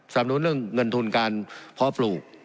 คำนึงเรื่องเงินทุนการพอบลูก